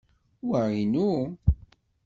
Wa inu!